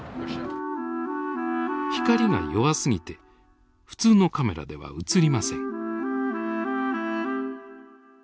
光が弱すぎて普通のカメラでは映りません。